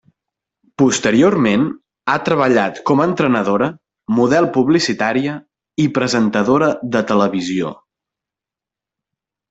Posteriorment, ha treballat com a entrenadora, model publicitària i presentadora de televisió.